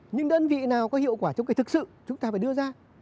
những đơn vị nào có hiệu quả trong cây thực sự chúng ta phải đưa ra